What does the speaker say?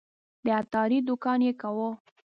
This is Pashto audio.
د عطاري دوکان یې کاوه.